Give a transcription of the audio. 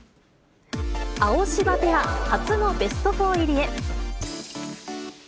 アオシバペア、初のベスト４入りへ。